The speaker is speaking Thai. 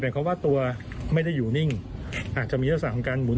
แต่เขาว่าตัวไม่ได้อยู่นิ่งอาจจะมีลักษณะของการหมุน